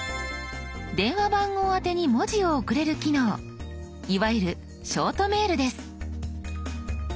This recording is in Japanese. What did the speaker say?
電話番号宛てに文字を送れる機能いわゆるショートメールです。